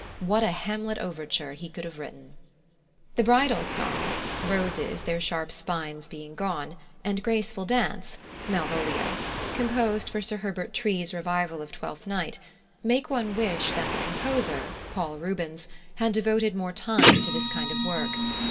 What a Hamlet overture he could have written! The bridal song, "Roses, their sharp spines being gone," and graceful dance (Malvolio), composed for Sir Herbert Tree's revival of Twelfth Night, make one wish that the composer, +Paul Rubens+, had devoted more time to this kind of work.